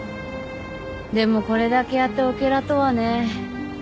でもこれだけやってオケラとはね。